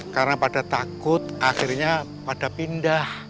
karena pada takut akhirnya pada pindah